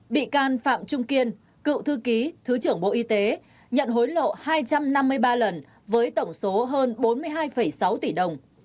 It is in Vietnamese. bị can phạm trung kiên cựu thư ký thứ trưởng bộ y tế nhận hối lộ hai trăm năm mươi ba lần với tổng số hơn bốn mươi hai sáu tỷ đồng